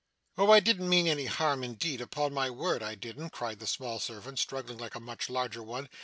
'Oh! I didn't mean any harm indeed, upon my word I didn't,' cried the small servant, struggling like a much larger one.